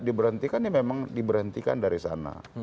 diberhentikan ya memang diberhentikan dari sana